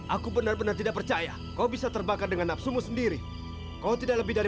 aku tidak percaya apa yang kau katakan